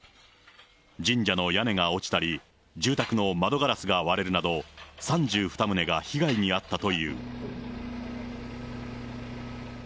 神社の屋根が落ちたり、住宅の窓ガラスが割れるなど、３２棟が被害に遭ったという。